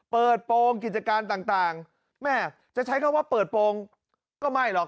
โปรงกิจการต่างแม่จะใช้คำว่าเปิดโปรงก็ไม่หรอก